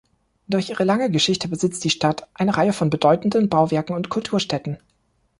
Durch ihre lange Geschichte besitzt die Stadt eine Reihe von bedeutenden Bauwerken und Kulturstätten.